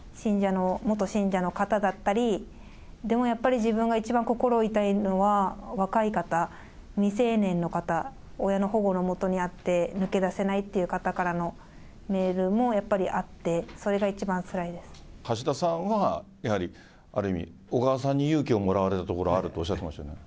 元信者の方だったり、でもやっぱり自分が一番心痛いのは、若い方、未成年の方、親の保護の下にあって、抜け出せないって方からのメールもやっぱりあって、それが一番つ橋田さんは、やはりある意味、小川さんに勇気をもらわれたところがあるっておっしゃってました